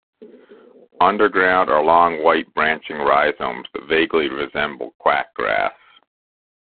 Underground are long white branching rhizomes that vaguely resemble quackgrass.